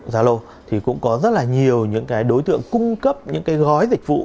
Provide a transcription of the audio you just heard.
zalo thì cũng có rất là nhiều những đối tượng cung cấp những gói dịch vụ